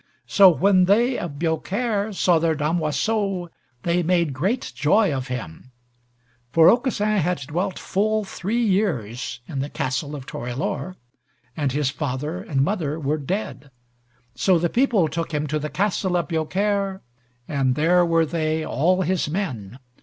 So when they of Biaucaire saw their damoiseau, they made great joy of him, for Aucassin had dwelt full three years in the castle of Torelore, and his father and mother were dead. So the people took him to the castle of Biaucaire, and there were they all his men.